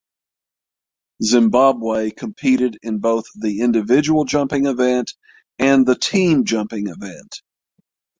Zimbabwe competed in both the individual jumping event and the team jumping event.